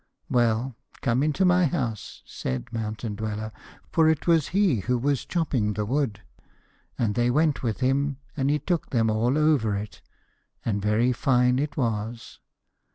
"' 'Well, come into my house,' said Mountain Dweller, for it was he who was chopping the wood, and they went with him and he took them all over it, and very fine it was.